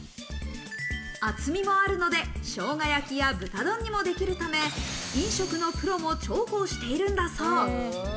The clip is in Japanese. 厚みもあるので、しょうが焼きや豚丼にもできるため、飲食のプロも重宝しているんだそう。